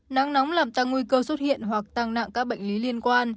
nắng nóng làm tăng nguy cơ xuất hiện hoặc tăng nặng các bệnh lý liên quan